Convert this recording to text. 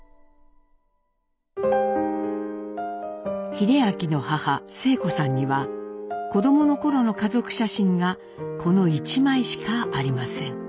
英明の母晴子さんには子供の頃の家族写真がこの一枚しかありません。